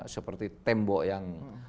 seperti tembok yang